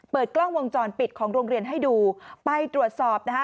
กล้องวงจรปิดของโรงเรียนให้ดูไปตรวจสอบนะคะ